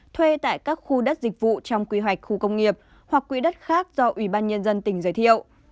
thuê tại các khu đất dịch vụ trong quy hoạch khu công nghiệp hoặc quỹ đất khác do ủy ban nhân dân tỉnh giới thiệu